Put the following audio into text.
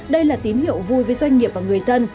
đây là tín hiệu vui với doanh nghiệp và người dân